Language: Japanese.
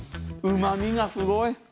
うまみがすごい。